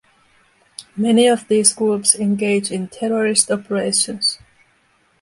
Many of these groups engage in terrorist operations.